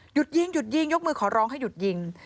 ยิงหยุดยิงยกมือขอร้องให้หยุดยิง